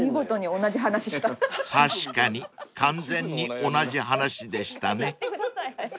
［確かに完全に同じ話でしたね］